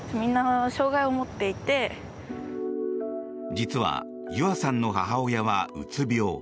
実はゆあさんの母親はうつ病。